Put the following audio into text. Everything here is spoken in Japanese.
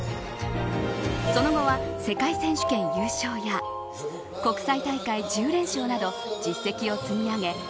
その後は、世界選手権優勝や国際大会１０連勝など実績を積み上げ